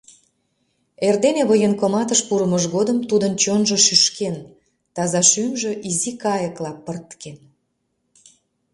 Эрдене военкоматыш пурымыж годым тудын чонжо шӱшкен, таза шӱмжӧ изи кайыкла пырткен...